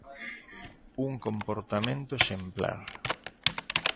Un comportamento exemplar.